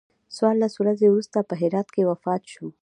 څوارلس ورځې وروسته په هرات کې وفات شو.